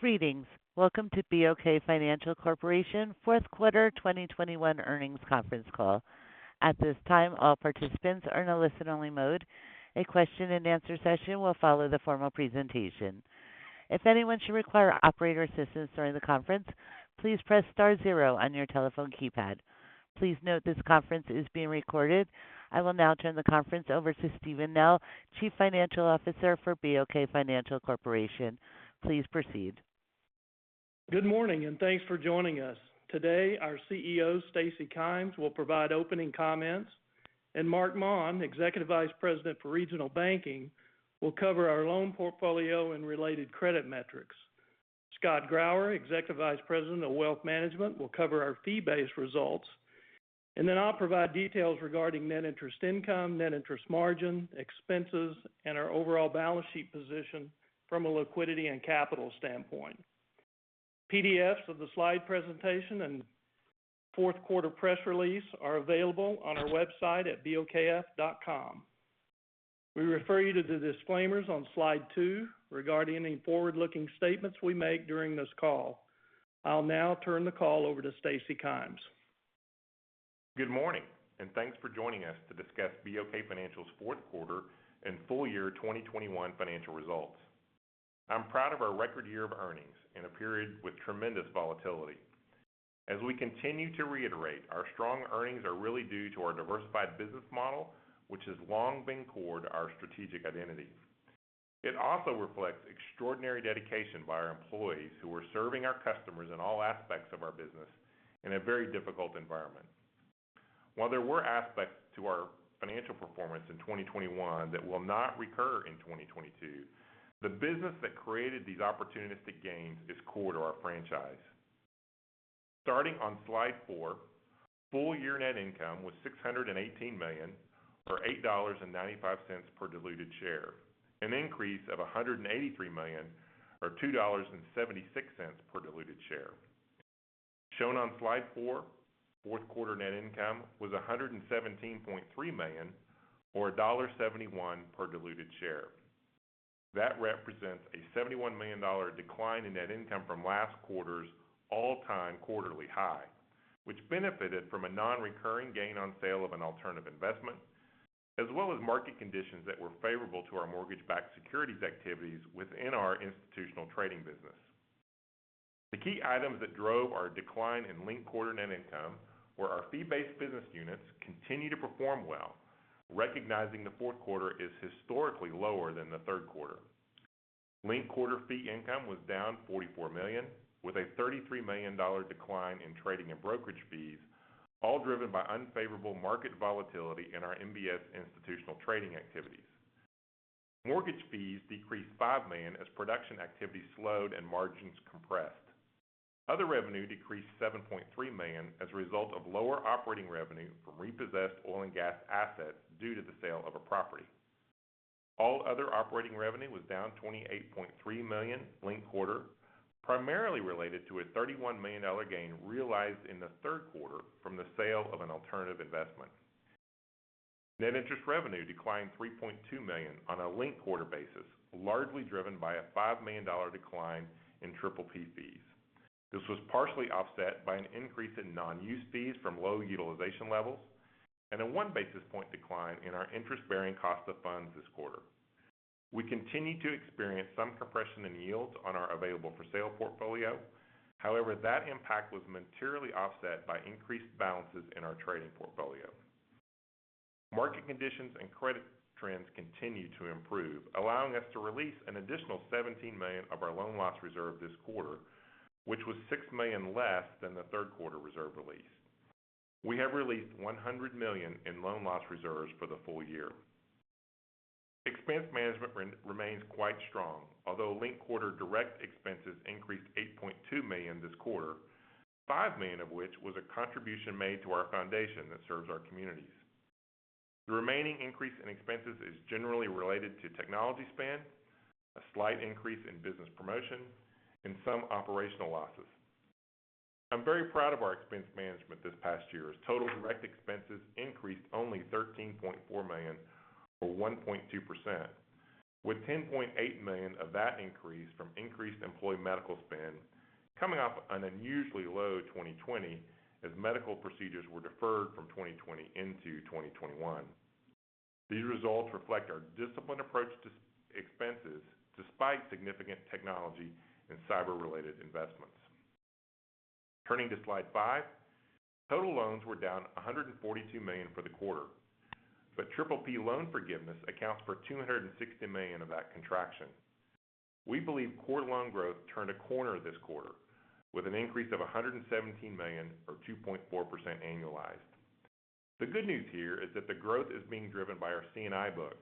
Greetings. Welcome to BOK Financial Corporation fourth quarter 2021 earnings conference call. At this time, all participants are in a listen-only mode. A question and answer session will follow the formal presentation. If anyone should require operator assistance during the conference, please press star zero on your telephone keypad. Please note this conference is being recorded. I will now turn the conference over to Steven Nell, Chief Financial Officer for BOK Financial Corporation. Please proceed. Good morning, and thanks for joining us. Today, our CEO, Stacy Kymes, will provide opening comments, and Marc Maun, Executive Vice President for Regional Banking, will cover our loan portfolio and related credit metrics. Scott Grauer, Executive Vice President of Wealth Management, will cover our fee-based results. I'll provide details regarding net interest income, net interest margin, expenses, and our overall balance sheet position from a liquidity and capital standpoint. PDFs of the slide presentation and fourth quarter press release are available on our website at bokf.com. We refer you to the disclaimers on slide two regarding any forward-looking statements we make during this call. I'll now turn the call over to Stacy Kymes. Good morning, and thanks for joining us to discuss BOK Financial's fourth quarter and full year 2021 financial results. I'm proud of our record year of earnings in a period with tremendous volatility. As we continue to reiterate, our strong earnings are really due to our diversified business model, which has long been core to our strategic identity. It also reflects extraordinary dedication by our employees who are serving our customers in all aspects of our business in a very difficult environment. While there were aspects to our financial performance in 2021 that will not recur in 2022, the business that created these opportunistic gains is core to our franchise. Starting on slide four, full year net income was $618 million or $8.95 per diluted share, an increase of $183 million or $2.76 per diluted share. Shown on slide four, fourth quarter net income was $117.3 million or $1.71 per diluted share. That represents a $71 million decline in net income from last quarter's all-time quarterly high, which benefited from a non-recurring gain on sale of an alternative investment, as well as market conditions that were favorable to our mortgage-backed securities activities within our institutional trading business. The key items that drove our decline in linked quarter net income were our fee-based business units continue to perform well, recognizing the fourth quarter is historically lower than the third quarter. Linked quarter fee income was down $44 million, with a $33 million decline in trading and brokerage fees, all driven by unfavorable market volatility in our MBS institutional trading activities. Mortgage fees decreased $5 million as production activity slowed and margins compressed. Other revenue decreased $7.3 million as a result of lower operating revenue from repossessed oil and gas assets due to the sale of a property. All other operating revenue was down $28.3 million linked quarter, primarily related to a $31 million gain realized in the third quarter from the sale of an alternative investment. Net interest revenue declined $3.2 million on a linked quarter basis, largely driven by a $5 million decline in PPP fees. This was partially offset by an increase in non-use fees from low utilization levels and a 1 basis point decline in our interest-bearing cost of funds this quarter. We continue to experience some compression in yields on our available for sale portfolio. However, that impact was materially offset by increased balances in our trading portfolio. Market conditions and credit trends continue to improve, allowing us to release an additional $17 million of our loan loss reserve this quarter, which was $6 million less than the third quarter reserve release. We have released $100 million in loan loss reserves for the full year. Expense management remains quite strong. Although linked-quarter direct expenses increased $8.2 million this quarter, $5 million of which was a contribution made to our foundation that serves our communities. The remaining increase in expenses is generally related to technology spend, a slight increase in business promotion, and some operational losses. I'm very proud of our expense management this past year as total direct expenses increased only $13.4 million or 1.2%, with $10.8 million of that increase from increased employee medical spend coming off an unusually low 2020 as medical procedures were deferred from 2020 into 2021. These results reflect our disciplined approach to expenses despite significant technology and cyber related investments. Turning to slide five, total loans were down $142 million for the quarter, but PPP loan forgiveness accounts for $260 million of that contraction. We believe core loan growth turned a corner this quarter with an increase of $117 million or 2.4% annualized. The good news here is that the growth is being driven by our C&I book,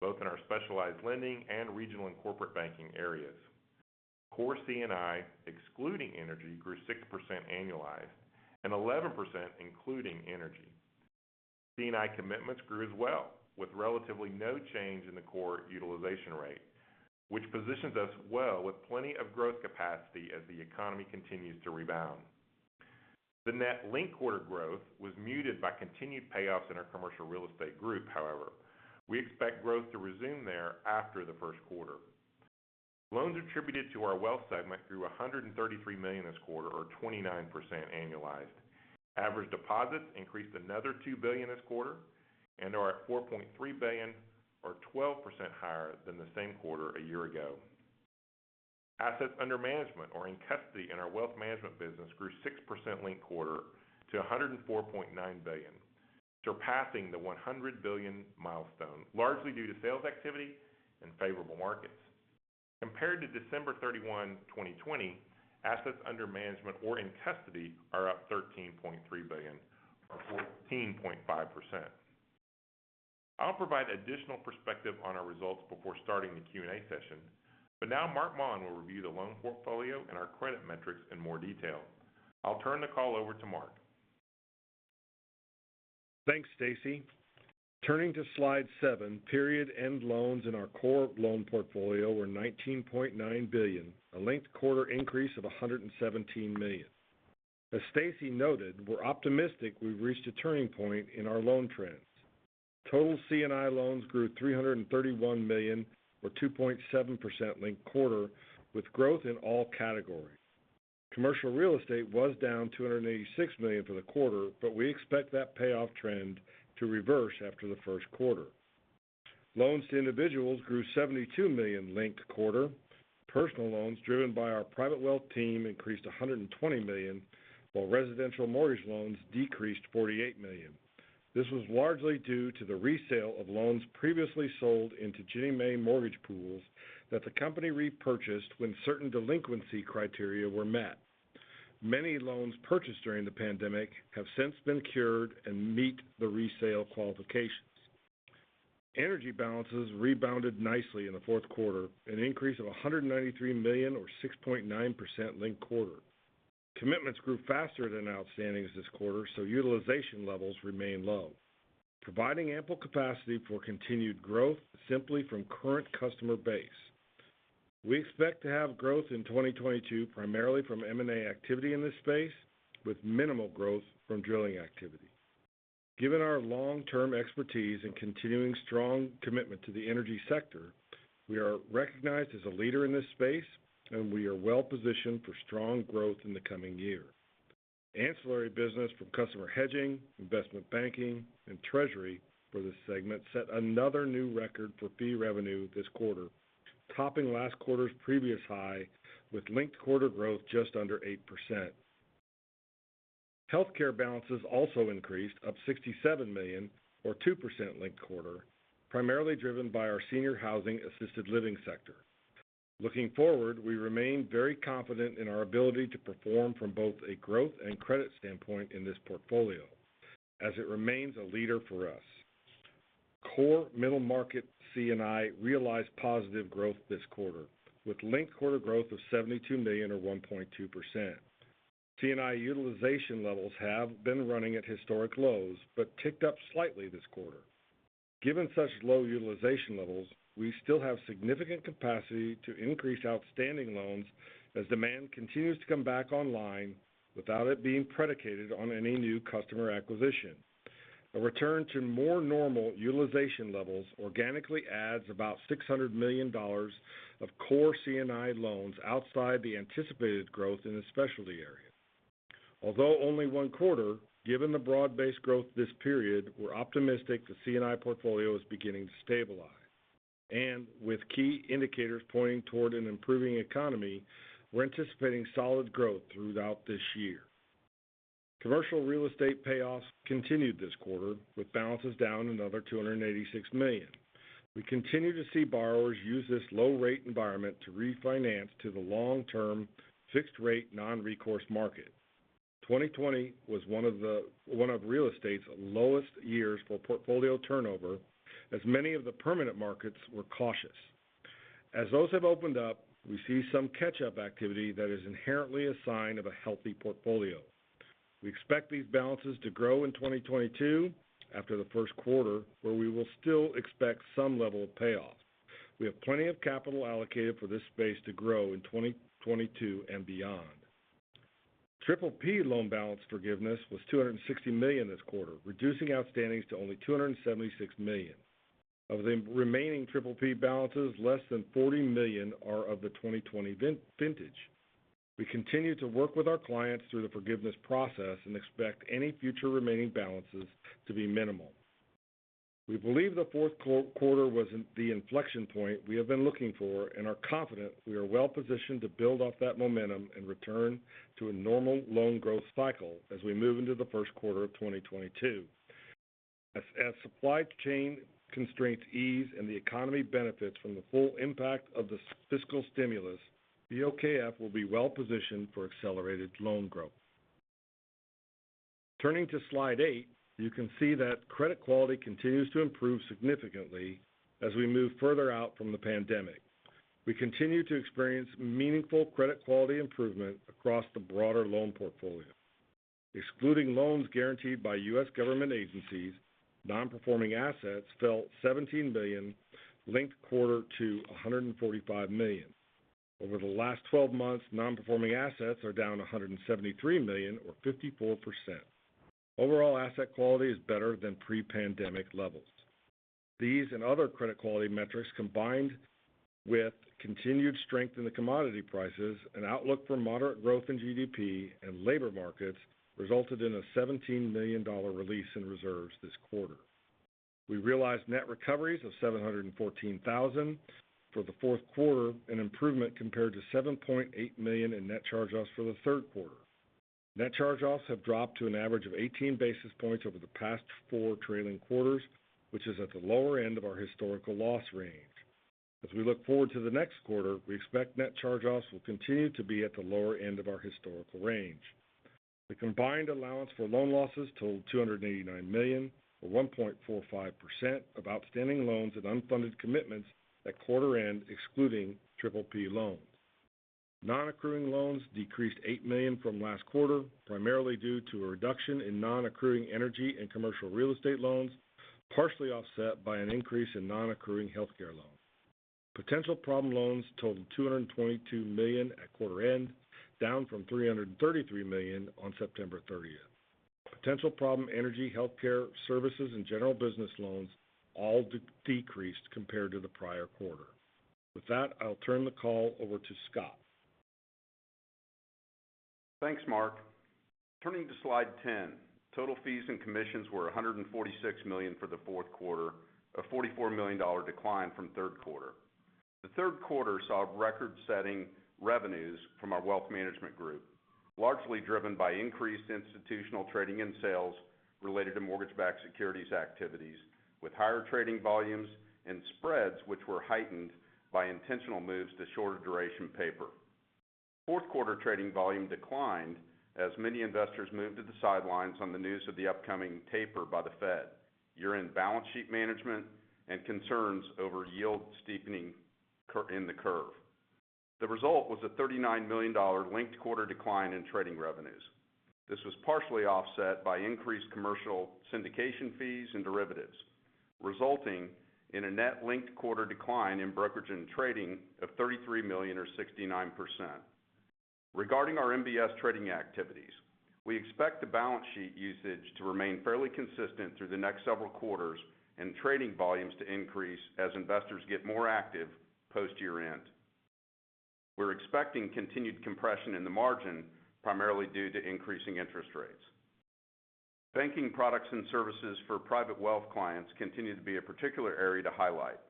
both in our specialized lending and regional and corporate banking areas. Core C&I, excluding energy, grew 6% annualized and 11% including energy. C&I commitments grew as well with relatively no change in the core utilization rate, which positions us well with plenty of growth capacity as the economy continues to rebound. The net linked quarter growth was muted by continued payoffs in our commercial real estate group, however. We expect growth to resume there after the first quarter. Loans attributed to our wealth segment grew $133 million this quarter or 29% annualized. Average deposits increased another $2 billion this quarter and are at $4.3 billion or 12% higher than the same quarter a year ago. Assets under management or in custody in our wealth management business grew 6% linked-quarter to $104.9 billion, surpassing the $100 billion milestone, largely due to sales activity and favorable markets. Compared to December 31, 2020, assets under management or in custody are up $13.3 billion or 14.5%. I'll provide additional perspective on our results before starting the Q&A session. Now Marc Maun will review the loan portfolio and our credit metrics in more detail. I'll turn the call over to Marc. Thanks, Stacy. Turning to slide seven, period end loans in our core loan portfolio were $19.9 billion, a linked quarter increase of $117 million. As Stacy noted, we're optimistic we've reached a turning point in our loan trends. Total C&I loans grew $331 million or 2.7% linked quarter, with growth in all categories. Commercial real estate was down $286 million for the quarter, but we expect that payoff trend to reverse after the first quarter. Loans to individuals grew $72 million linked quarter. Personal loans driven by our private wealth team increased $120 million, while residential mortgage loans decreased $48 million. This was largely due to the resale of loans previously sold into Ginnie Mae mortgage pools that the company repurchased when certain delinquency criteria were met. Many loans purchased during the pandemic have since been cured and meet the resale qualifications. Energy balances rebounded nicely in the fourth quarter, an increase of $193 million or 6.9% linked-quarter. Commitments grew faster than outstandings this quarter, so utilization levels remain low, providing ample capacity for continued growth simply from current customer base. We expect to have growth in 2022, primarily from M&A activity in this space, with minimal growth from drilling activity. Given our long-term expertise and continuing strong commitment to the energy sector, we are recognized as a leader in this space, and we are well positioned for strong growth in the coming year. Ancillary business from customer hedging, investment banking, and treasury for this segment set another new record for fee revenue this quarter, topping last quarter's previous high with linked-quarter growth just under 8%. Healthcare balances also increased $67 million or 2% linked quarter, primarily driven by our senior housing assisted living sector. Looking forward, we remain very confident in our ability to perform from both a growth and credit standpoint in this portfolio as it remains a leader for us. Core middle market C&I realized positive growth this quarter with linked quarter growth of $72 million or 1.2%. C&I utilization levels have been running at historic lows but ticked up slightly this quarter. Given such low utilization levels, we still have significant capacity to increase outstanding loans as demand continues to come back online without it being predicated on any new customer acquisition. A return to more normal utilization levels organically adds about $600 million of core C&I loans outside the anticipated growth in the specialty area. Although only one quarter, given the broad-based growth this period, we're optimistic the C&I portfolio is beginning to stabilize. With key indicators pointing toward an improving economy, we're anticipating solid growth throughout this year. Commercial real estate payoffs continued this quarter with balances down another $286 million. We continue to see borrowers use this low rate environment to refinance to the long-term fixed rate non-recourse market. 2020 was one of real estate's lowest years for portfolio turnover, as many of the permanent markets were cautious. As those have opened up, we see some catch-up activity that is inherently a sign of a healthy portfolio. We expect these balances to grow in 2022 after the first quarter, where we will still expect some level of payoff. We have plenty of capital allocated for this space to grow in 2022 and beyond. PPP loan balance forgiveness was $260 million this quarter, reducing outstandings to only $276 million. Of the remaining PPP balances, less than $40 million are of the 2020 vintage. We continue to work with our clients through the forgiveness process and expect any future remaining balances to be minimal. We believe the fourth quarter was the inflection point we have been looking for and are confident we are well-positioned to build off that momentum and return to a normal loan growth cycle as we move into the first quarter of 2022. As supply chain constraints ease and the economy benefits from the full impact of the fiscal stimulus, BOKF will be well-positioned for accelerated loan growth. Turning to slide 8, you can see that credit quality continues to improve significantly as we move further out from the pandemic. We continue to experience meaningful credit quality improvement across the broader loan portfolio. Excluding loans guaranteed by U.S. government agencies, non-performing assets fell $17 million linked quarter to $145 million. Over the last 12 months, non-performing assets are down $173 million or 54%. Overall asset quality is better than pre-pandemic levels. These and other credit quality metrics, combined with continued strength in the commodity prices and outlook for moderate growth in GDP and labor markets, resulted in a $17 million release in reserves this quarter. We realized net recoveries of $714 thousand for the fourth quarter, an improvement compared to $7.8 million in net charge-offs for the third quarter. Net charge-offs have dropped to an average of 18 basis points over the past four trailing quarters, which is at the lower end of our historical loss range. As we look forward to the next quarter, we expect net charge-offs will continue to be at the lower end of our historical range. The combined allowance for loan losses totaled $289 million, or 1.45% of outstanding loans and unfunded commitments at quarter end, excluding PPP loans. Non-accruing loans decreased $8 million from last quarter, primarily due to a reduction in non-accruing energy and commercial real estate loans, partially offset by an increase in non-accruing health care loans. Potential problem loans totaled $222 million at quarter end, down from $333 million on September 30. Potential problem energy, health care services, and general business loans all decreased compared to the prior quarter. With that, I'll turn the call over to Scott. Thanks, Marc. Turning to slide 10. Total fees and commissions were $146 million for the fourth quarter, a $44 million decline from third quarter. The third quarter saw record-setting revenues from our wealth management group, largely driven by increased institutional trading and sales related to mortgage-backed securities activities, with higher trading volumes and spreads which were heightened by intentional moves to shorter duration paper. Fourth quarter trading volume declined as many investors moved to the sidelines on the news of the upcoming taper by the Fed, year-end balance sheet management, and concerns over yield steepening in the curve. The result was a $39 million linked quarter decline in trading revenues. This was partially offset by increased commercial syndication fees and derivatives, resulting in a net linked quarter decline in brokerage and trading of $33 million or 69%. Regarding our MBS trading activities, we expect the balance sheet usage to remain fairly consistent through the next several quarters and trading volumes to increase as investors get more active post year-end. We're expecting continued compression in the margin, primarily due to increasing interest rates. Banking products and services for private wealth clients continue to be a particular area to highlight.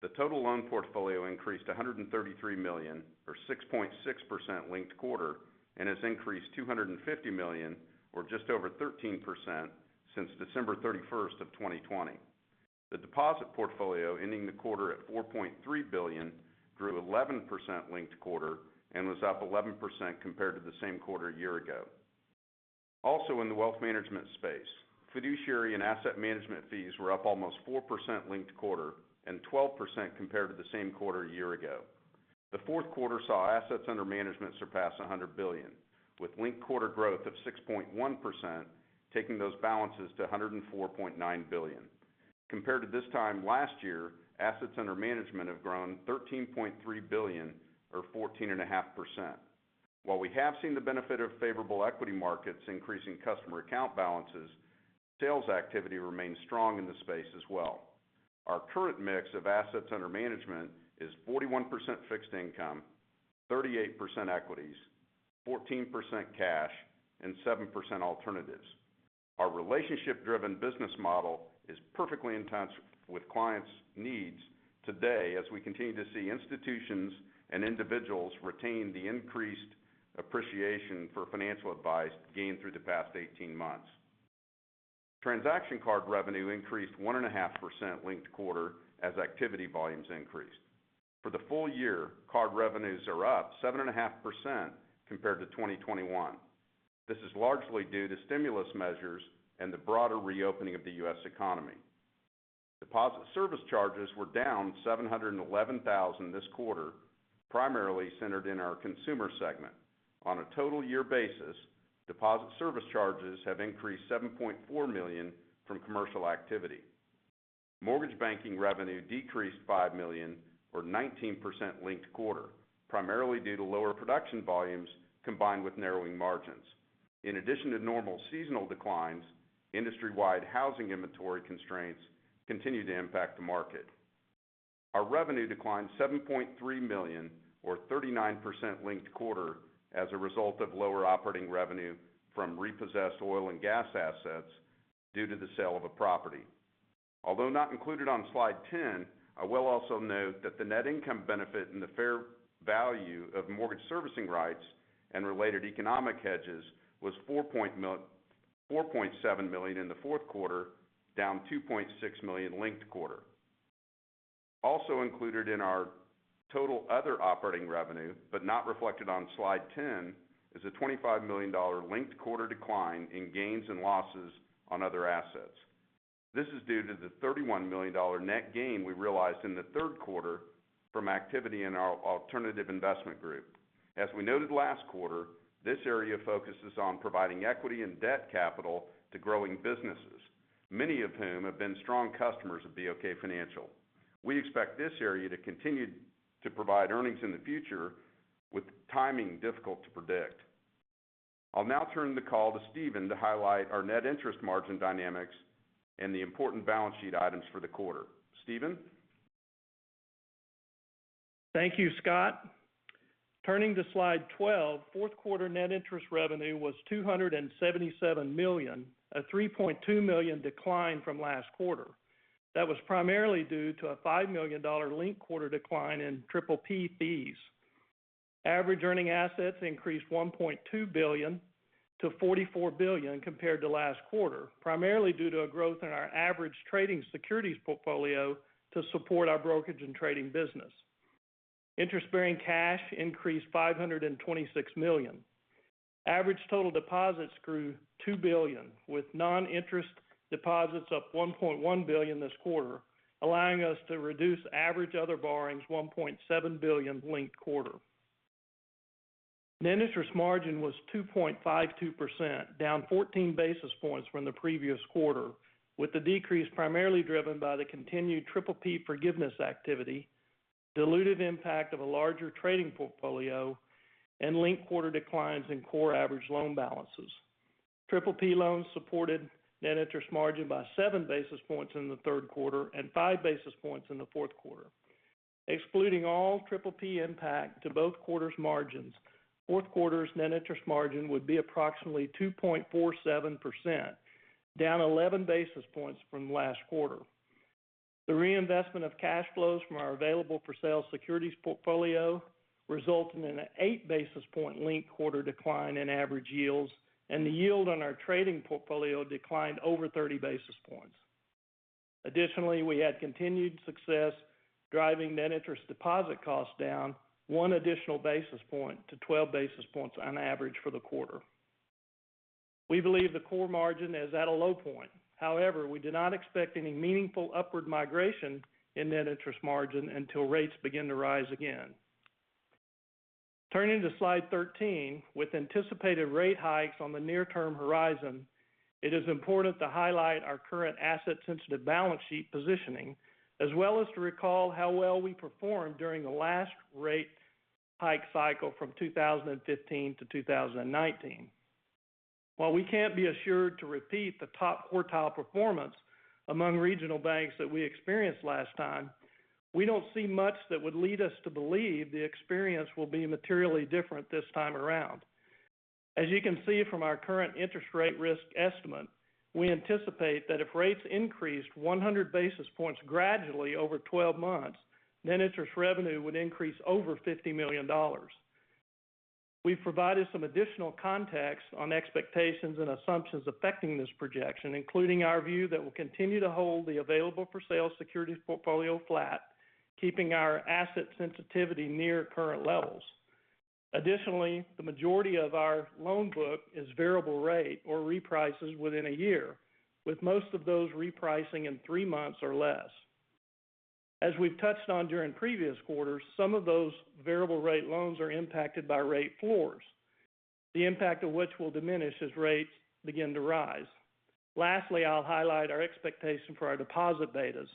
The total loan portfolio increased to $133 million, or 6.6% linked quarter, and has increased $250 million or just over 13% since December 31, 2020. The deposit portfolio ending the quarter at $4.3 billion, grew 11% linked quarter and was up 11% compared to the same quarter a year ago. Also in the wealth management space, fiduciary and asset management fees were up almost 4% linked quarter and 12% compared to the same quarter a year ago. The fourth quarter saw assets under management surpass $100 billion, with linked quarter growth of 6.1%, taking those balances to $104.9 billion. Compared to this time last year, assets under management have grown $13.3 billion or 14.5%. While we have seen the benefit of favorable equity markets increasing customer account balances, sales activity remains strong in the space as well. Our current mix of assets under management is 41% fixed income, 38% equities, 14% cash, and 7% alternatives. Our relationship driven business model is perfectly in sync with clients' needs today as we continue to see institutions and individuals retain the increased appreciation for financial advice gained through the past 18 months. Transaction card revenue increased 1.5% linked quarter as activity volumes increased. For the full year, card revenues are up 7.5% compared to 2021. This is largely due to stimulus measures and the broader reopening of the U.S. economy. Deposit service charges were down $711,000 this quarter, primarily centered in our consumer segment. On a total year basis, deposit service charges have increased $7.4 million from commercial activity. Mortgage banking revenue decreased $5 million or 19% linked quarter, primarily due to lower production volumes combined with narrowing margins. In addition to normal seasonal declines, industry-wide housing inventory constraints continue to impact the market. Our revenue declined $7.3 million or 39% linked quarter as a result of lower operating revenue from repossessed oil and gas assets due to the sale of a property. Although not included on slide 10, I will also note that the net income benefit and the fair value of mortgage servicing rights and related economic hedges was $4.7 million in the fourth quarter, down $2.6 million linked quarter. Also included in our total other operating revenue, but not reflected on slide 10 is a $25 million linked quarter decline in gains and losses on other assets. This is due to the $31 million net gain we realized in the third quarter from activity in our alternative investment group. As we noted last quarter, this area focuses on providing equity and debt capital to growing businesses, many of whom have been strong customers of BOK Financial. We expect this area to continue to provide earnings in the future, with timing difficult to predict. I'll now turn the call to Steven to highlight our net interest margin dynamics and the important balance sheet items for the quarter. Steven? Thank you, Scott. Turning to slide 12, fourth quarter net interest revenue was $277 million, a $3.2 million decline from last quarter. That was primarily due to a $5 million linked quarter decline in PPP fees. Average earning assets increased $1.2 billion to $44 billion compared to last quarter, primarily due to a growth in our average trading securities portfolio to support our brokerage and trading business. Interest-bearing cash increased $526 million. Average total deposits grew $2 billion, with non-interest deposits up $1.1 billion this quarter, allowing us to reduce average other borrowings $1.7 billion linked quarter. Net interest margin was 2.52%, down 14 basis points from the previous quarter, with the decrease primarily driven by the continued PPP forgiveness activity, dilutive impact of a larger trading portfolio, and linked quarter declines in core average loan balances. PPP loans supported net interest margin by 7 basis points in the third quarter and 5 basis points in the fourth quarter. Excluding all PPP impact to both quarters' margins, fourth quarter's net interest margin would be approximately 2.47%, down 11 basis points from last quarter. The reinvestment of cash flows from our available for sale securities portfolio resulted in an 8 basis point linked quarter decline in average yields, and the yield on our trading portfolio declined over 30 basis points. Additionally, we had continued success driving net interest deposit costs down one additional basis point to 12 basis points on average for the quarter. We believe the core margin is at a low point. However, we do not expect any meaningful upward migration in net interest margin until rates begin to rise again. Turning to slide 13, with anticipated rate hikes on the near-term horizon, it is important to highlight our current asset-sensitive balance sheet positioning, as well as to recall how well we performed during the last rate hike cycle from 2015 to 2019. While we can't be assured to repeat the top quartile performance among regional banks that we experienced last time, we don't see much that would lead us to believe the experience will be materially different this time around. As you can see from our current interest rate risk estimate, we anticipate that if rates increased 100 basis points gradually over 12 months, net interest revenue would increase over $50 million. We've provided some additional context on expectations and assumptions affecting this projection, including our view that we'll continue to hold the available for sale securities portfolio flat, keeping our asset sensitivity near current levels. Additionally, the majority of our loan book is variable rate or reprices within a year, with most of those repricing in 3 months or less. As we've touched on during previous quarters, some of those variable rate loans are impacted by rate floors, the impact of which will diminish as rates begin to rise. Lastly, I'll highlight our expectation for our deposit betas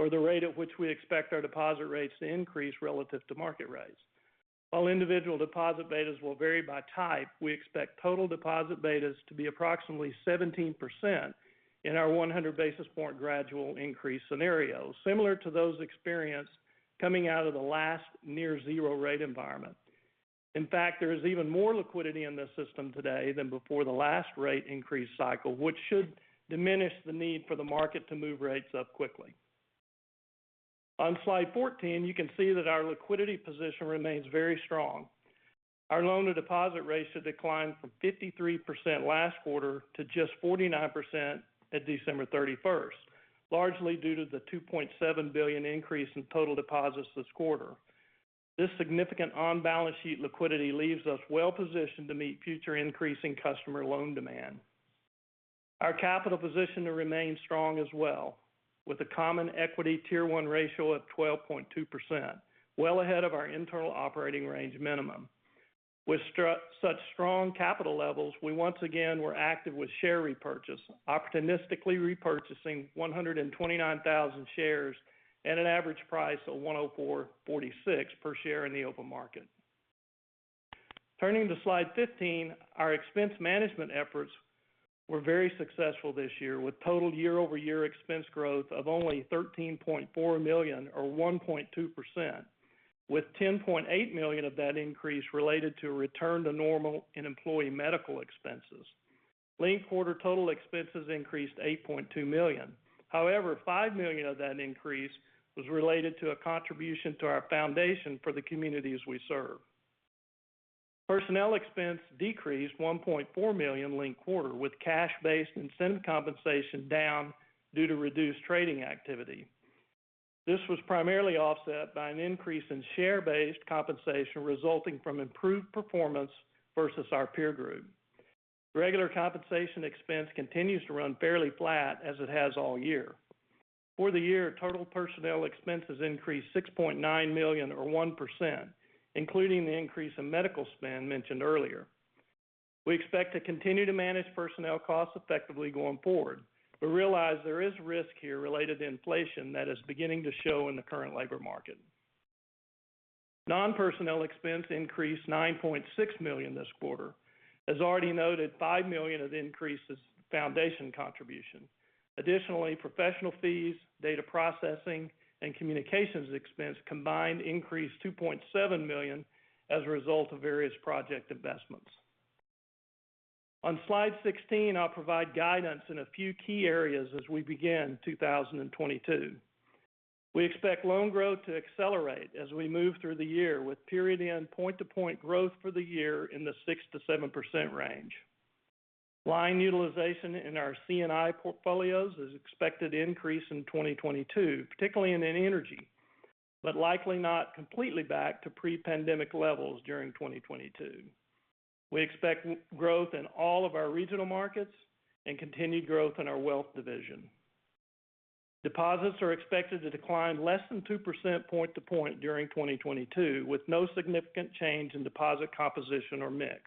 or the rate at which we expect our deposit rates to increase relative to market rates. While individual deposit betas will vary by type, we expect total deposit betas to be approximately 17% in our 100 basis point gradual increase scenario, similar to those experienced coming out of the last near zero rate environment. In fact, there is even more liquidity in the system today than before the last rate increase cycle, which should diminish the need for the market to move rates up quickly. On slide 14, you can see that our liquidity position remains very strong. Our loan-to-deposit rates have declined from 53% last quarter to just 49% at December 31, largely due to the $2.7 billion increase in total deposits this quarter. This significant on-balance sheet liquidity leaves us well positioned to meet future increasing customer loan demand. Our capital position remains strong as well, with a Common Equity Tier 1 ratio of 12.2%, well ahead of our internal operating range minimum. With such strong capital levels, we once again were active with share repurchase, opportunistically repurchasing 129,000 shares at an average price of $104.46 per share in the open market. Turning to slide 15, our expense management efforts were very successful this year, with total year-over-year expense growth of only $13.4 million or 1.2%, with $10.8 million of that increase related to a return to normal in employee medical expenses. Linked-quarter total expenses increased $8.2 million. However, $5 million of that increase was related to a contribution to our foundation for the communities we serve. Personnel expense decreased $1.4 million linked quarter, with cash-based incentive compensation down due to reduced trading activity. This was primarily offset by an increase in share-based compensation resulting from improved performance versus our peer group. Regular compensation expense continues to run fairly flat as it has all year. For the year, total personnel expenses increased $6.9 million or 1%, including the increase in medical spend mentioned earlier. We expect to continue to manage personnel costs effectively going forward, but realize there is risk here related to inflation that is beginning to show in the current labor market. Non-personnel expense increased $9.6 million this quarter. As already noted, $5 million of the increase is foundation contribution. Additionally, professional fees, data processing, and communications expense combined increased $2.7 million as a result of various project investments. On slide 16, I'll provide guidance in a few key areas as we begin 2022. We expect loan growth to accelerate as we move through the year, with period end point-to-point growth for the year in the 6%-7% range. Line utilization in our C&I portfolios is expected to increase in 2022, particularly in energy, but likely not completely back to pre-pandemic levels during 2022. We expect growth in all of our regional markets and continued growth in our wealth division. Deposits are expected to decline less than 2% point to point during 2022, with no significant change in deposit composition or mix.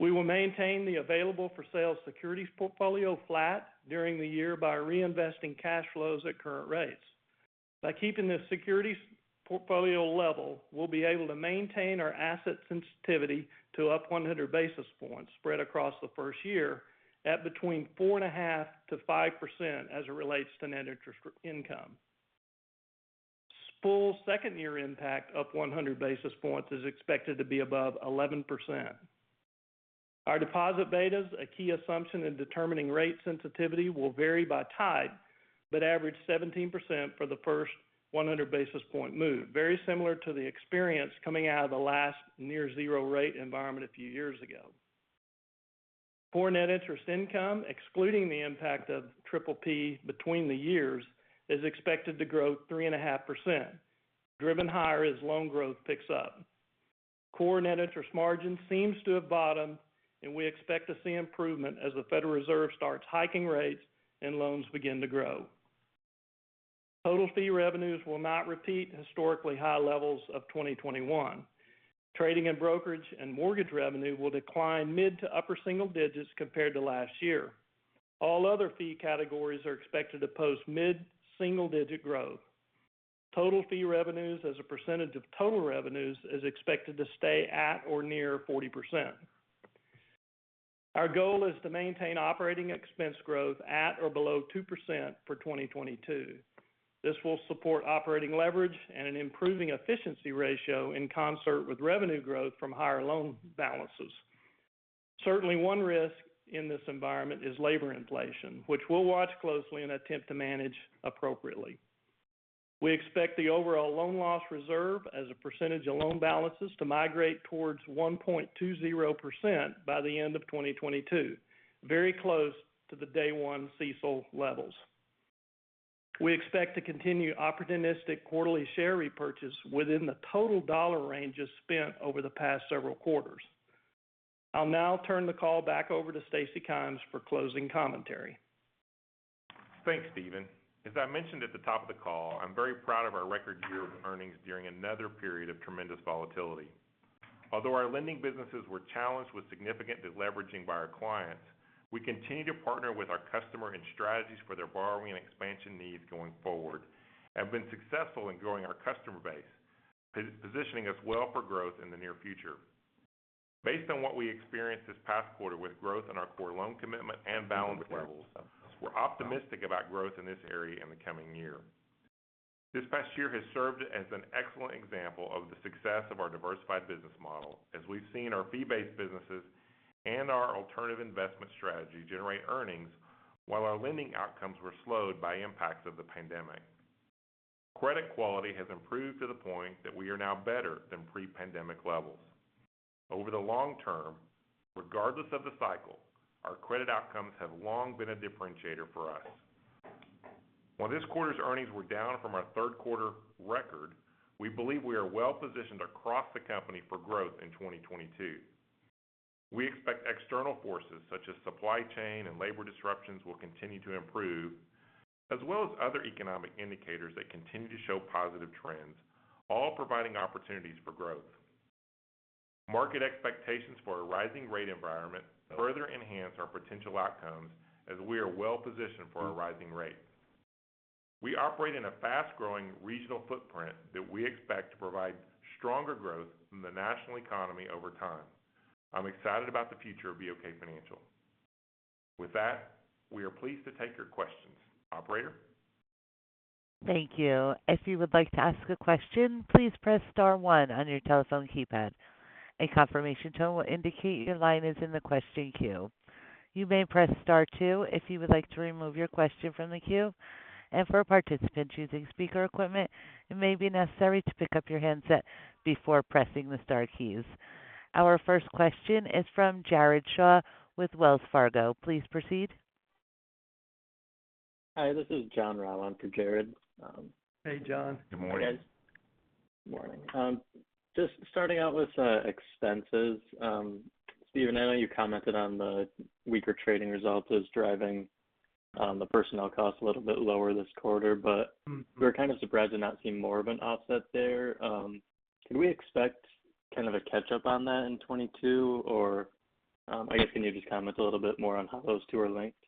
We will maintain the available for sale securities portfolio flat during the year by reinvesting cash flows at current rates. By keeping the securities portfolio level, we'll be able to maintain our asset sensitivity to up 100 basis points spread across the first year at between 4.5% and 5% as it relates to net interest income. Full second year impact up 100 basis points is expected to be above 11%. Our deposit betas, a key assumption in determining rate sensitivity, will vary by type, but average 17% for the first 100 basis point move, very similar to the experience coming out of the last near zero rate environment a few years ago. Core net interest income, excluding the impact of PPP between the years, is expected to grow 3.5%, driven higher as loan growth picks up. Core net interest margin seems to have bottomed, and we expect to see improvement as the Federal Reserve starts hiking rates and loans begin to grow. Total fee revenues will not repeat historically high levels of 2021. Trading and brokerage and mortgage revenue will decline mid to upper single digits compared to last year. All other fee categories are expected to post mid-single digit growth. Total fee revenues as a percentage of total revenues is expected to stay at or near 40%. Our goal is to maintain operating expense growth at or below 2% for 2022. This will support operating leverage and an improving efficiency ratio in concert with revenue growth from higher loan balances. Certainly, one risk in this environment is labor inflation, which we'll watch closely and attempt to manage appropriately. We expect the overall loan loss reserve as a percentage of loan balances to migrate towards 1.20% by the end of 2022, very close to the day one CECL levels. We expect to continue opportunistic quarterly share repurchase within the total dollar ranges spent over the past several quarters. I'll now turn the call back over to Stacy Kymes for closing commentary. Thanks, Steven. As I mentioned at the top of the call, I'm very proud of our record year of earnings during another period of tremendous volatility. Although our lending businesses were challenged with significant deleveraging by our clients, we continue to partner with our customers in strategies for their borrowing and expansion needs going forward, have been successful in growing our customer base, positioning us well for growth in the near future. Based on what we experienced this past quarter with growth in our core loan commitment and balance levels, we're optimistic about growth in this area in the coming year. This past year has served as an excellent example of the success of our diversified business model as we've seen our fee-based businesses and our alternative investment strategy generate earnings while our lending outcomes were slowed by impacts of the pandemic. Credit quality has improved to the point that we are now better than pre-pandemic levels. Over the long term, regardless of the cycle, our credit outcomes have long been a differentiator for us. While this quarter's earnings were down from our third quarter record, we believe we are well positioned across the company for growth in 2022. We expect external forces such as supply chain and labor disruptions will continue to improve, as well as other economic indicators that continue to show positive trends, all providing opportunities for growth. Market expectations for a rising rate environment further enhance our potential outcomes as we are well positioned for a rising rate. We operate in a fast-growing regional footprint that we expect to provide stronger growth than the national economy over time. I'm excited about the future of BOK Financial. With that, we are pleased to take your questions. Operator? Thank you. If you would like to ask a question, please press star one on your telephone keypad. A confirmation tone will indicate your line is in the question queue. You may press star two if you would like to remove your question from the queue. For participants using speaker equipment, it may be necessary to pick up your handset before pressing the star keys. Our first question is from Jared Shaw with Wells Fargo. Please proceed. Hi, this is Jon Arfstrom for Jared. Hey, Jon. Good morning. Good morning. Just starting out with expenses. Steven, I know you commented on the weaker trading results as driving the personnel costs a little bit lower this quarter, but- Mm-hmm We were kind of surprised to not see more of an offset there. Can we expect kind of a catch-up on that in 2022? Or, I guess can you just comment a little bit more on how those two are linked?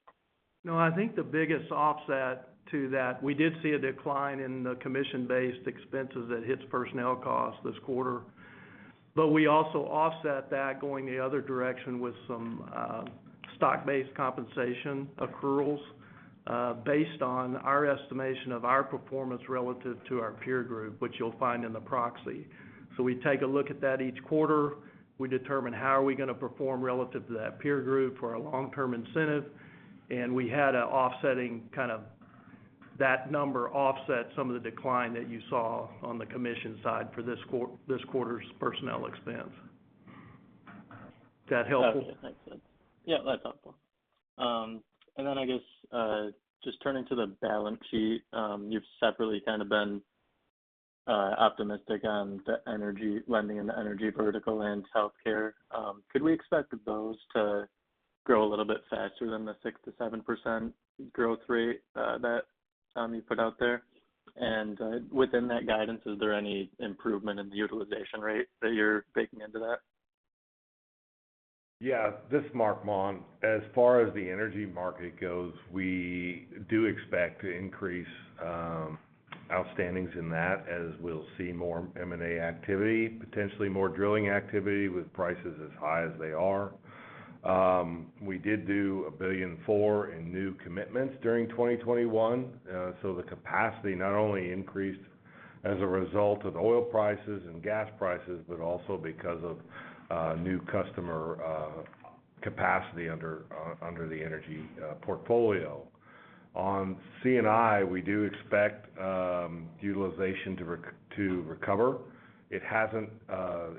No, I think the biggest offset to that, we did see a decline in the commission-based expenses that hits personnel costs this quarter. We also offset that going the other direction with some stock-based compensation accruals based on our estimation of our performance relative to our peer group, which you'll find in the proxy. We take a look at that each quarter. We determine how are we gonna perform relative to that peer group for our long-term incentive, and we had a offsetting kind of that number offset some of the decline that you saw on the commission side for this quarter's personnel expense. Does that help? Okay, thanks, Steve. Yeah, that's helpful. I guess just turning to the balance sheet, you've separately kind of been optimistic on the energy lending in the energy vertical and healthcare. Could we expect those to grow a little bit faster than the 6%-7% growth rate that you put out there? Within that guidance, is there any improvement in the utilization rate that you're baking into that? Yeah. This is Marc Maun. As far as the energy market goes, we do expect to increase outstandings in that as we'll see more M&A activity, potentially more drilling activity with prices as high as they are. We did do $1.4 billion in new commitments during 2021. The capacity not only increased as a result of oil prices and gas prices, but also because of new customer capacity under the energy portfolio. On C&I, we do expect utilization to recover. It hasn't.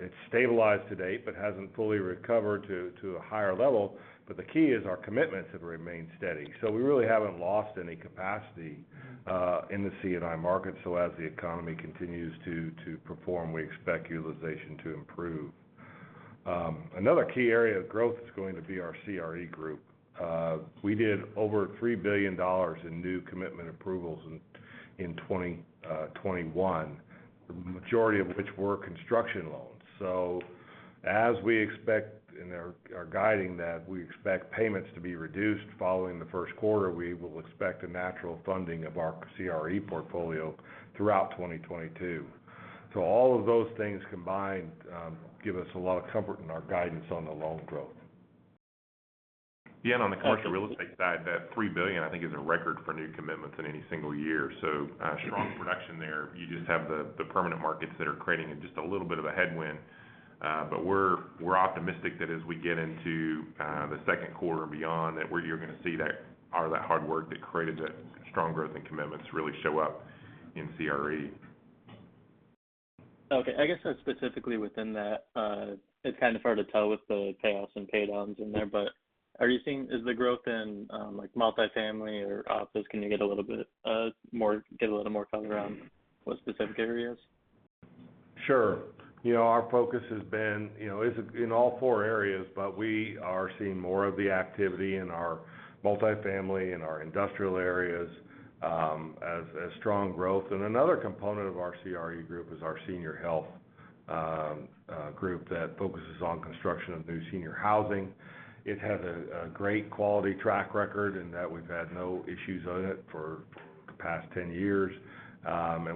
It's stabilized to date, but hasn't fully recovered to a higher level. The key is our commitments have remained steady. We really haven't lost any capacity in the C&I market. As the economy continues to perform, we expect utilization to improve. Another key area of growth is going to be our CRE group. We did over $3 billion in new commitment approvals in 2021, the majority of which were construction loans. As we expect and are guiding that we expect payments to be reduced following the first quarter, we will expect a natural funding of our CRE portfolio throughout 2022. All of those things combined give us a lot of comfort in our guidance on the loan growth. Yeah, on the commercial real estate side, that $3 billion, I think, is a record for new commitments in any single year. Strong production there. You just have the permanent markets that are creating just a little bit of a headwind. We're optimistic that as we get into the second quarter and beyond, that you're gonna see that hard work that created the strong growth in commitments really show up in CRE. Okay. I guess, specifically within that, it's kind of hard to tell with the payoffs and pay downs in there, but is the growth in, like, multifamily or office? Can you give a little bit more color on what specific areas? Sure. You know, our focus has been, you know, is in all four areas, but we are seeing more of the activity in our multifamily and our industrial areas, as strong growth. Another component of our CRE group is our senior health group that focuses on construction of new senior housing. It has a great quality track record in that we've had no issues on it for the past 10 years.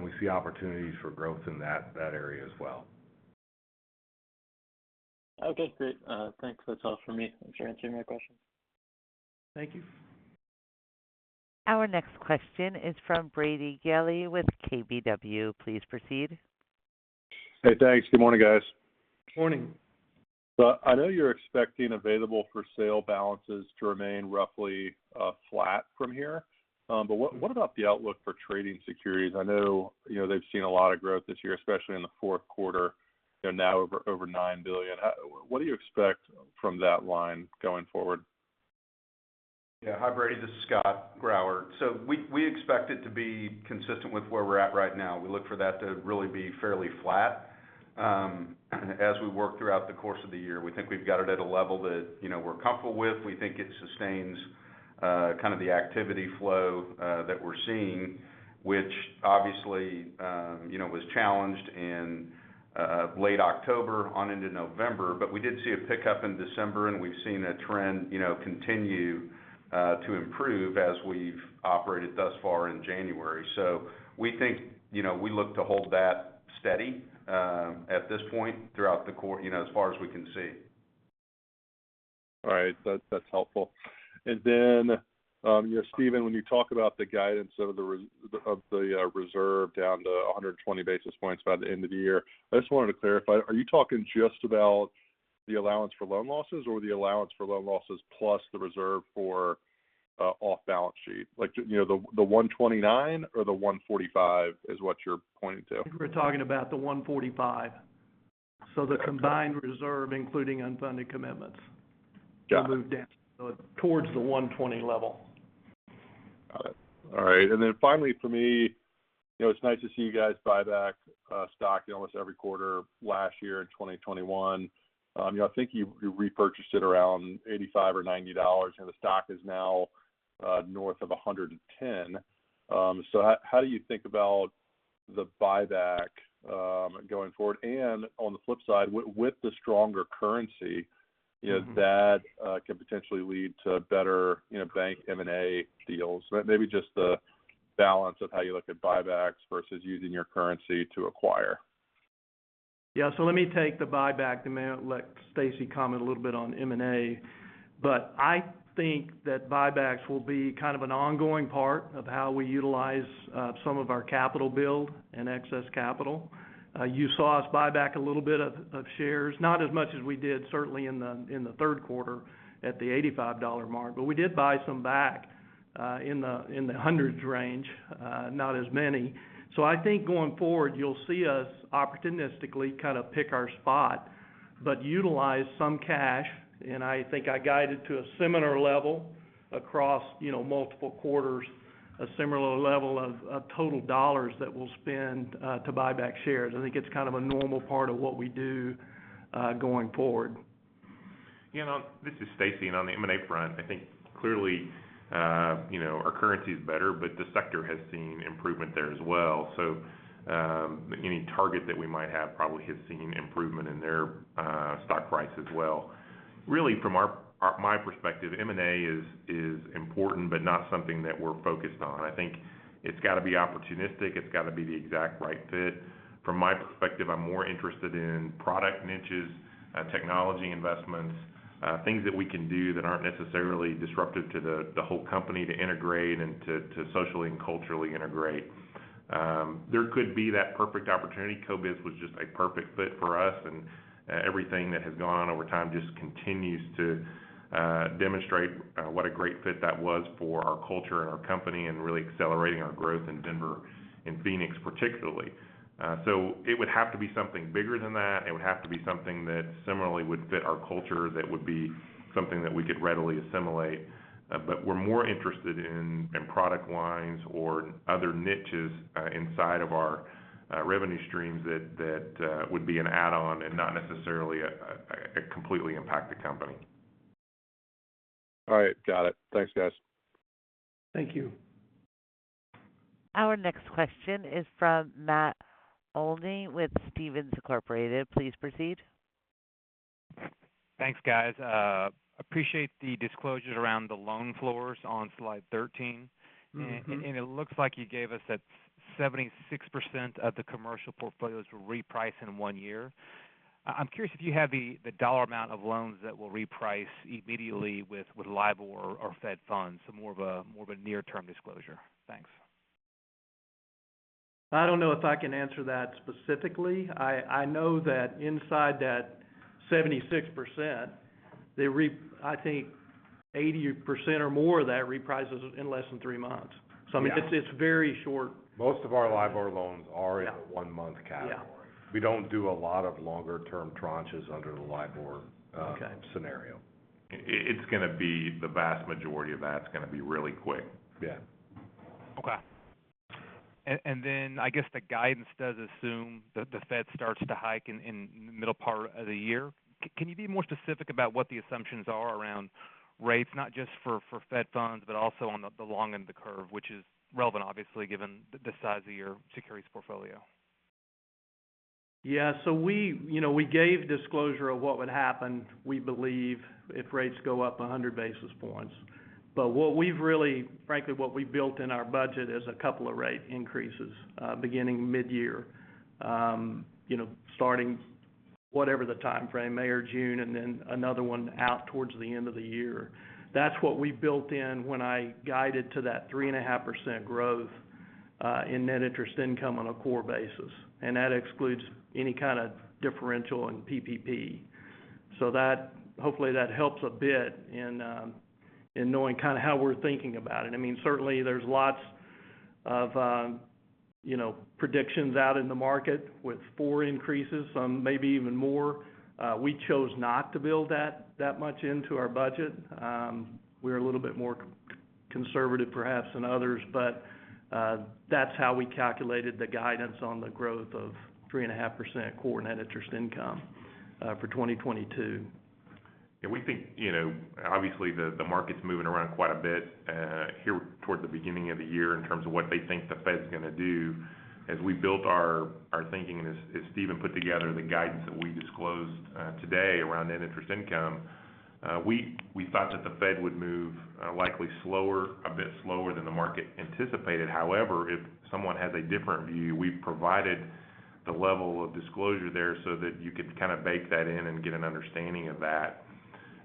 We see opportunities for growth in that area as well. Okay, great. Thanks. That's all for me. Thanks for answering my questions. Thank you. Our next question is from Woody Lay with KBW. Please proceed. Hey, thanks. Good morning, guys. Morning. I know you're expecting available for sale balances to remain roughly flat from here. What about the outlook for trading securities? I know, you know, they've seen a lot of growth this year, especially in the fourth quarter. They're now over $9 billion. What do you expect from that line going forward? Yeah. Hi, Woody Lay. This is Scott Grauer. We expect it to be consistent with where we're at right now. We look for that to really be fairly flat, as we work throughout the course of the year. We think we've got it at a level that, you know, we're comfortable with. We think it sustains kind of the activity flow that we're seeing, which obviously, you know, was challenged in late October on into November. We did see a pickup in December, and we've seen a trend, you know, continue to improve as we've operated thus far in January. We think, you know, we look to hold that steady at this point, you know, as far as we can see. All right. That's helpful. Steven, when you talk about the guidance of the reserve down to 120 basis points by the end of the year, I just wanted to clarify, are you talking just about the allowance for loan losses or the allowance for loan losses plus the reserve for off balance sheet? Like, you know, the 129 or the 145 is what you're pointing to. We're talking about the 145. The combined reserve, including unfunded commitments- Yeah will move down towards the 1.20 level. Got it. All right. Finally, for me, you know, it's nice to see you guys buy back stock in almost every quarter last year in 2021. You know, I think you repurchased it around $85 or $90, and the stock is now north of 110. How do you think about the buyback going forward? On the flip side, with the stronger currency, you know, that can potentially lead to better, you know, bank M&A deals. Maybe just the balance of how you look at buybacks versus using your currency to acquire. Yeah. Let me take the buyback, then I'll let Stacy comment a little bit on M&A. I think that buybacks will be kind of an ongoing part of how we utilize some of our capital build and excess capital. You saw us buy back a little bit of shares, not as much as we did certainly in the third quarter at the $85 mark, but we did buy some back in the hundreds range, not as many. I think going forward, you'll see us opportunistically kind of pick our spot, but utilize some cash. I think I guided to a similar level across, you know, multiple quarters, a similar level of total dollars that we'll spend to buy back shares. I think it's kind of a normal part of what we do, going forward. You know, this is Stacy. On the M&A front, I think clearly, you know, our currency is better, but the sector has seen improvement there as well. Any target that we might have probably has seen improvement in their stock price as well. Really, from my perspective, M&A is important, but not something that we're focused on. I think it's got to be opportunistic. It's got to be the exact right fit. From my perspective, I'm more interested in product niches, technology investments, things that we can do that aren't necessarily disruptive to the whole company to integrate and to socially and culturally integrate. There could be that perfect opportunity. CoBiz was just a perfect fit for us, and everything that has gone on over time just continues to demonstrate what a great fit that was for our culture and our company and really accelerating our growth in Denver and Phoenix, particularly. It would have to be something bigger than that. It would have to be something that similarly would fit our culture, that would be something that we could readily assimilate. We're more interested in product lines or other niches inside of our revenue streams that would be an add-on and not necessarily completely impact the company. All right. Got it. Thanks, guys. Thank you. Our next question is from Matt Olney with Stephens Inc. Please proceed. Thanks, guys. Appreciate the disclosures around the loan floors on slide 13. Mm-hmm. It looks like you gave us that 76% of the commercial portfolios will reprice in one year. I'm curious if you have the dollar amount of loans that will reprice immediately with LIBOR or Fed Funds, so more of a near-term disclosure. Thanks. I don't know if I can answer that specifically. I know that inside that 76%, I think 80% or more of that reprices in less than 3 months. Yeah. I mean, it's very short. Most of our LIBOR loans are in the one-month category. Yeah. We don't do a lot of longer-term tranches under the LIBOR. Okay scenario. It's gonna be the vast majority of that is going to be really quick. Yeah. Okay. I guess the guidance does assume the Fed starts to hike in middle part of the year. Can you be more specific about what the assumptions are around rates, not just for Fed Funds, but also on the long end of the curve, which is relevant, obviously, given the size of your securities portfolio? Yeah. We, you know, we gave disclosure of what would happen, we believe if rates go up 100 basis points. Frankly, what we built in our budget is a couple of rate increases beginning mid-year. You know, starting whatever the timeframe, May or June, and then another one out towards the end of the year. That's what we built in when I guided to that 3.5% growth in net interest income on a core basis. That excludes any kind of differential in PPP. Hopefully, that helps a bit in knowing kind of how we're thinking about it. I mean, certainly there's lots of, you know, predictions out in the market with four increases, some maybe even more. We chose not to build that much into our budget. We're a little bit more conservative, perhaps, than others. That's how we calculated the guidance on the growth of 3.5% core net interest income for 2022. We think, you know, obviously, the market's moving around quite a bit here toward the beginning of the year in terms of what they think the Fed's going to do. As we built our thinking, as Steven put together the guidance that we disclosed today around net interest income, we thought that the Fed would move likely slower, a bit slower than the market anticipated. However, if someone has a different view, we've provided the level of disclosure there so that you could kind of bake that in and get an understanding of that.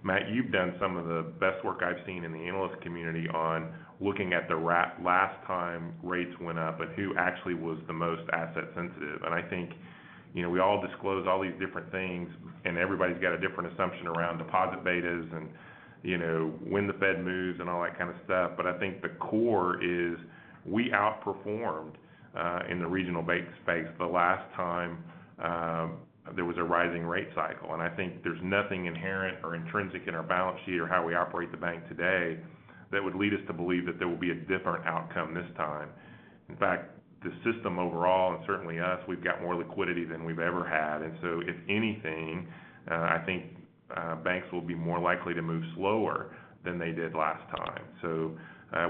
Matt, you've done some of the best work I've seen in the analyst community on looking at the last time rates went up and who actually was the most asset sensitive. I think, you know, we all disclose all these different things, and everybody's got a different assumption around deposit betas and, you know, when the Fed moves and all that kind of stuff. I think the core is we outperformed in the regional bank space the last time there was a rising rate cycle. I think there's nothing inherent or intrinsic in our balance sheet or how we operate the bank today. That would lead us to believe that there will be a different outcome this time. In fact, the system overall, and certainly us, we've got more liquidity than we've ever had. If anything, I think banks will be more likely to move slower than they did last time.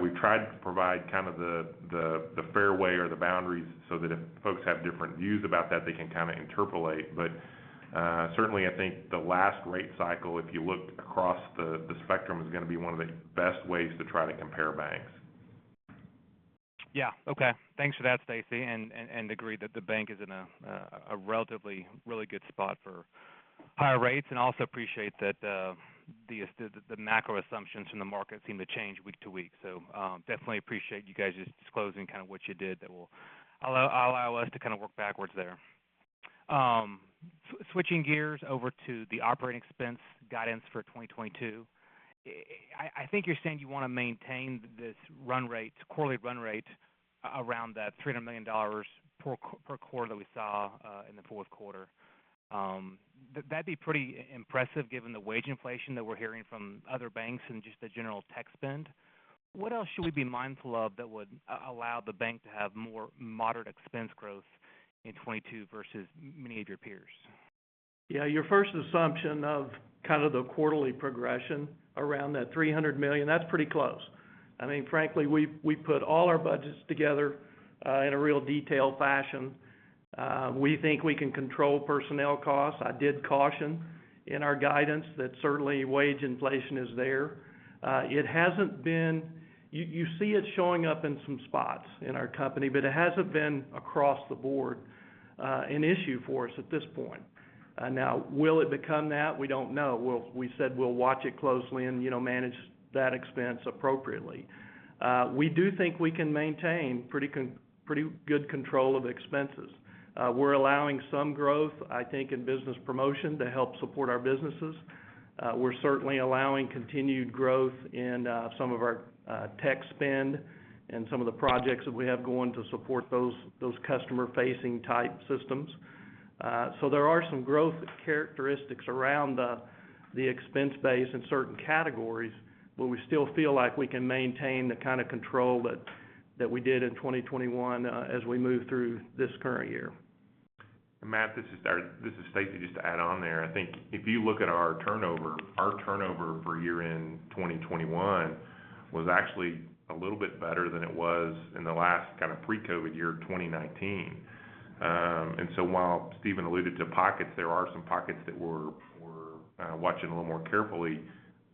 We've tried to provide kind of the fairway or the boundaries so that if folks have different views about that, they can kind of interpolate. But certainly I think the last rate cycle, if you look across the spectrum, is gonna be one of the best ways to try to compare banks. Yeah. Okay. Thanks for that, Stacy. I agree that the bank is in a relatively really good spot for higher rates. I also appreciate that the macro assumptions from the market seem to change week to week. I definitely appreciate you guys just disclosing kind of what you did that will allow us to kind of work backwards there. Switching gears over to the operating expense guidance for 2022. I think you're saying you wanna maintain this run rate, quarterly run rate around that $300 million per quarter that we saw in the fourth quarter. That'd be pretty impressive given the wage inflation that we're hearing from other banks and just the general tech spend. What else should we be mindful of that would allow the bank to have more moderate expense growth in 2022 versus many of your peers? Yeah, your first assumption of kind of the quarterly progression around that $300 million, that's pretty close. I mean, frankly, we've put all our budgets together in a real detailed fashion. We think we can control personnel costs. I did caution in our guidance that certainly wage inflation is there. It hasn't been. You see it showing up in some spots in our company, but it hasn't been across the board an issue for us at this point. Now, will it become that? We don't know. We said we'll watch it closely and, you know, manage that expense appropriately. We do think we can maintain pretty good control of expenses. We're allowing some growth, I think, in business promotion to help support our businesses. We're certainly allowing continued growth in some of our tech spend and some of the projects that we have going to support those customer-facing type systems. There are some growth characteristics around the expense base in certain categories, but we still feel like we can maintain the kind of control that we did in 2021 as we move through this current year. Matt, this is Stacy, just to add on there. I think if you look at our turnover, our turnover for year-end 2021 was actually a little bit better than it was in the last kind of pre-COVID year, 2019. While Steven alluded to pockets, there are some pockets that we're watching a little more carefully.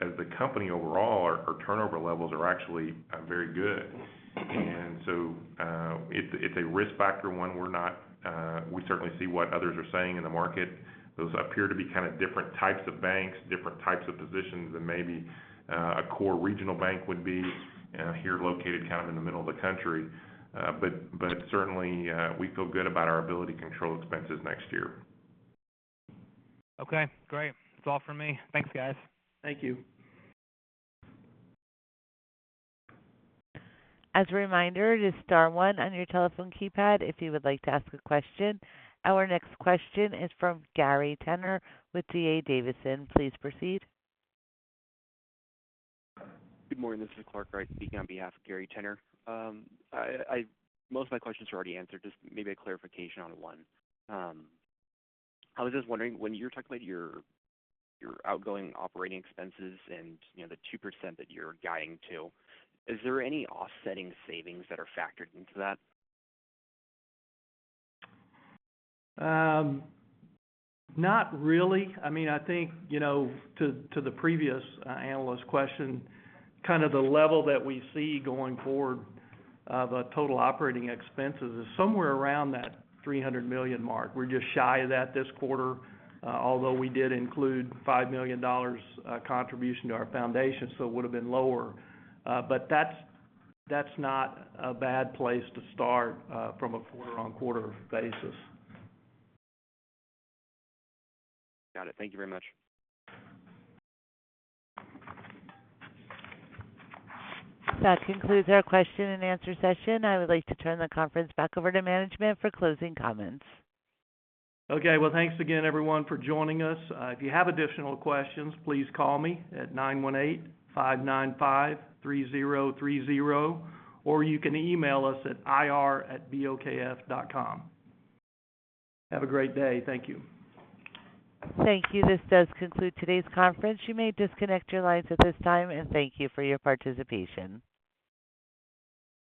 As the company overall, our turnover levels are actually very good. It's a risk factor when we're not. We certainly see what others are saying in the market. Those appear to be kind of different types of banks, different types of positions than maybe a core regional bank would be here located kind of in the middle of the country. Certainly, we feel good about our ability to control expenses next year. Okay, great. That's all for me. Thanks, guys. Thank you. As a reminder, just star one on your telephone keypad if you would like to ask a question. Our next question is from Gary Tenner with D.A. Davidson. Please proceed. Good morning, this is Clark Wright speaking on behalf of Gary Tenner. Most of my questions were already answered. Just maybe a clarification on one. I was just wondering, when you're talking about your outgoing operating expenses and, you know, the 2% that you're guiding to, is there any offsetting savings that are factored into that? Not really. I mean, I think, you know, to the previous analyst question, kind of the level that we see going forward of a total operating expenses is somewhere around that $300 million mark. We're just shy of that this quarter, although we did include $5 million contribution to our foundation, so it would have been lower. That's not a bad place to start from a quarter-on-quarter basis. Got it. Thank you very much. That concludes our question and answer session. I would like to turn the conference back over to management for closing comments. Okay. Well, thanks again, everyone, for joining us. If you have additional questions, please call me at 918-595-3030, or you can email us at ir@bokf.com. Have a great day. Thank you. Thank you. This does conclude today's conference. You may disconnect your lines at this time, and thank you for your participation.